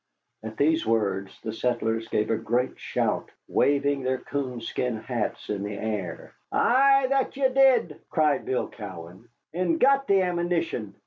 '" At these words the settlers gave a great shout, waving their coonskin hats in the air. "Ay, that ye did," cried Bill Cowan, "and got the amminition."